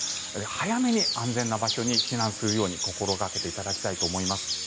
早めに安全な場所に避難するように心掛けていただきたいと思います。